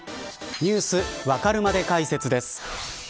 Ｎｅｗｓわかるまで解説です。